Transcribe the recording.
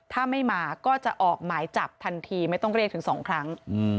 ถ้าไม่มาก็จะออกหมายจับทันทีไม่ต้องเรียกถึง๒ครั้ง